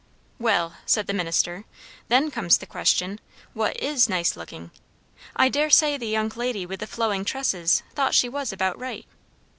"Well!" said the minister; "then comes the question, what is nice looking? I dare say the young lady with the flowing tresses thought she was about right."